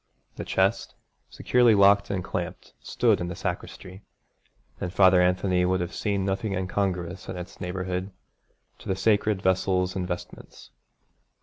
The chest, securely locked and clamped, stood in the sacristy; and Father Anthony would have seen nothing incongruous in its neighbourhood to the sacred vessels and vestments.